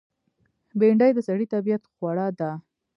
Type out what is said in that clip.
بېنډۍ د سړي طبیعت خوړه ده